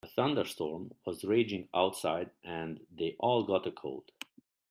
A thunderstorm was raging outside and they all got a cold.